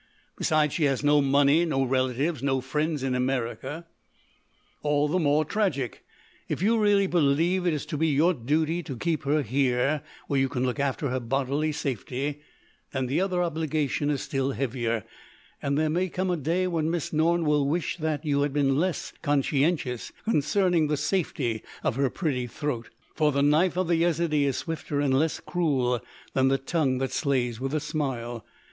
Besides, she has no money, no relatives, no friends in America——" "All the more tragic. If you really believe it to be your duty to keep her here where you can look after her bodily safety, then the other obligation is still heavier. And there may come a day when Miss Norne will wish that you had been less conscientious concerning the safety of her pretty throat.... For the knife of the Yezidee is swifter and less cruel than the tongue that slays with a smile....